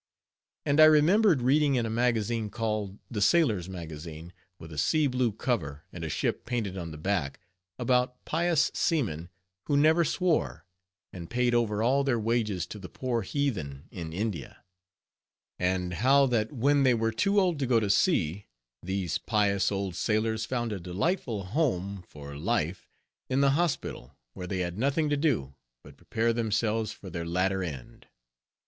And I remembered reading in a magazine, called the Sailors' Magazine, with a sea blue cover, and a ship painted on the back, about pious seamen who never swore, and paid over all their wages to the poor heathen in India; and how that when they were too old to go to sea, these pious old sailors found a delightful home for life in the Hospital, where they had nothing to do, but prepare themselves for their latter end.